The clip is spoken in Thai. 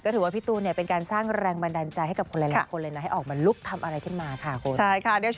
ถือว่าพี่ตูนเป็นการสร้างแรงบันดาลใจให้กับคนหลายคนเลยนะให้ออกมาลุกทำอะไรขึ้นมาค่ะคุณ